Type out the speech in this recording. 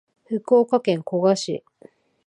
福岡県古賀市